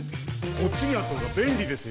こっちにあったほうが便利ですよ